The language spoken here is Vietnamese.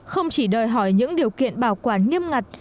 không chỉ đòi hỏi những điều kiện bảo quản nghiêm ngặt